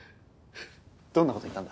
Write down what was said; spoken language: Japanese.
どんな事言ったんだ？